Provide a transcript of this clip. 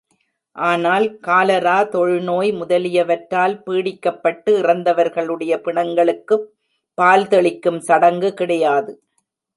ஆனால் காலரா, தொழுநோய் முதலியவற்றால் பீடிக்கப்பட்டு இறந்தவர்களுடைய பிணங்களுக்குப் பால் தெளிக்கும் சடங்கு கிடையாது.